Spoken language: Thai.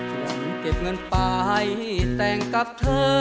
หลังเก็บเงินไปแต่งกับเธอ